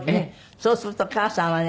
そうすると母さんはね